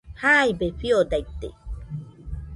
Jaibe fiodaite